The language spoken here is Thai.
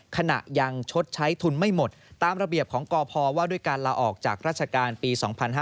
ขณะยังชดใช้ทุนไม่หมดตามระเบียบของกพว่าด้วยการลาออกจากราชการปี๒๕๕๙